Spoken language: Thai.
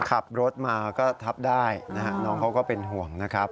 ขับรถมาก็ทับได้นะฮะน้องเขาก็เป็นห่วงนะครับ